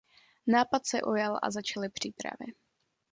Nápad se ujal a začaly přípravy.